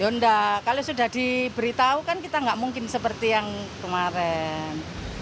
ya enggak kalau sudah diberitahu kan kita nggak mungkin seperti yang kemarin